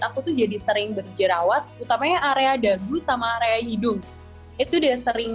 aku tuh jadi sering berjerawat utamanya area dagu sama area hidung itu udah sering